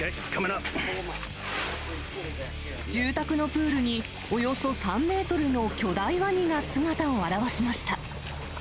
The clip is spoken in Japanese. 住宅のプールに、およそ３メートルの巨大ワニが姿を現しました。